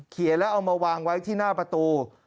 เขียนแล้วเอามาวางไว้ที่หน้าประตู